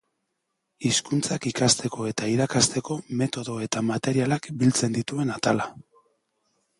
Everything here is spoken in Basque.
Hizkuntzak ikasteko eta irakasteko metodo eta materialak biltzen dituen atala.